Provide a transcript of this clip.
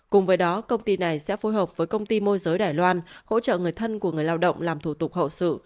cùng với đó công ty này sẽ phối hợp với công ty môi giới đài loan hỗ trợ người thân của người lao động làm thủ tục hậu sự